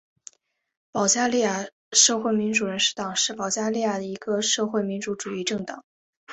保加利亚社会民主人士党是保加利亚的一个社会民主主义政党。